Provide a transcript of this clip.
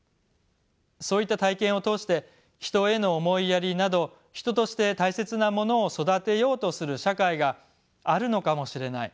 そういった体験を通して人への思いやりなど人として大切なものを育てようとする社会があるのかもしれない。